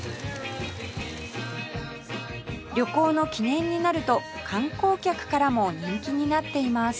旅行の記念になると観光客からも人気になっています